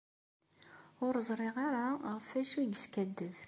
Ur zṛiɣ ara ɣef wacu i yeskadeb.